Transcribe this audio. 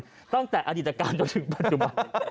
ตั้งแต่อดีตการจนถึงปัจจุบัน